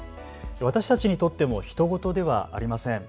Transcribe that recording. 私たちにとってもひと事ではありません。